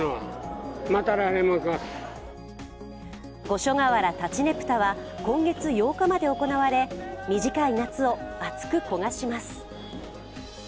五所川原立佞武多は今月８日まで行われ短い夏を熱く焦がします。